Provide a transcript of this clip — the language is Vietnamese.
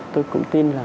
tôi cũng tin là